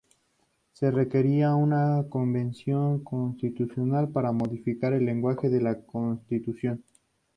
Se requería una convención constitucional para modificar el lenguaje de la Constitución.